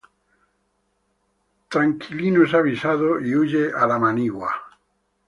Tranquilino es avisado y huye a la manigua.